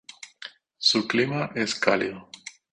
Su clima es cálido.